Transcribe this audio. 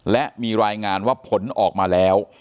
และมีรายงานว่าผลออกมาแล้ว